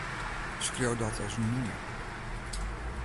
Skriuw dat as nûmer.